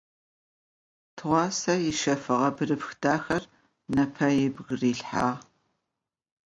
Тыгъуасэ ыщэфыгъэ бгырыпх дахэр непэ ыбг рилъхьагъ.